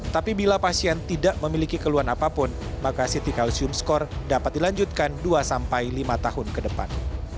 tapi bila pasien tidak memiliki keluhan apapun maka ct calcium score dapat dilanjutkan dua sampai lima tahun ke depan